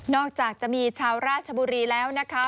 จากจะมีชาวราชบุรีแล้วนะคะ